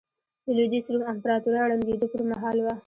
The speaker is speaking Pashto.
د لوېدیځ روم امپراتورۍ ړنګېدو پرمهال وه.